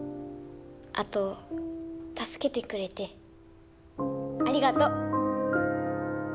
あとたすけてくれてありがとう！